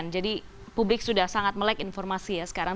jadi publik sudah sangat melek informasi ya sekarang